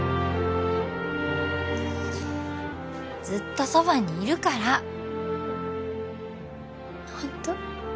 ずっとそばにいるからホント？